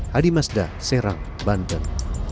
hadi mazda serang bandar